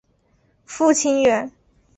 父亲袁。